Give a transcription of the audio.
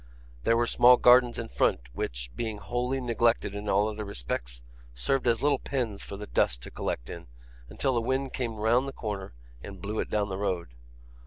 There were small gardens in front which, being wholly neglected in all other respects, served as little pens for the dust to collect in, until the wind came round the corner and blew it down the road.